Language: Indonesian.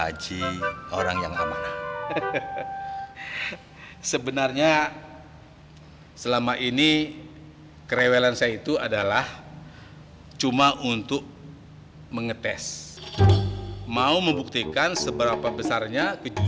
assalamualaikum warahmatullahi wabarakatuh